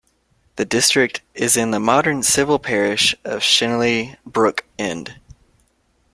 The district is in the modern civil parish of Shenley Brook End.